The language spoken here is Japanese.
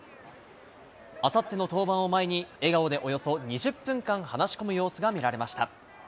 あさっての登板を前に、笑顔でおよそ２０分間話し込む様子が見られました。